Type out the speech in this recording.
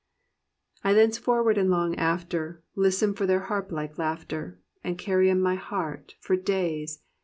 I thenceforward and long after. Listen for their harp like laughter. And carry in my heart, for days.